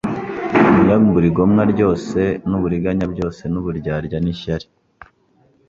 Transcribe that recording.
mwiyambure igomwa ryose n'uburiganya byose n'uburyarya n'ishyari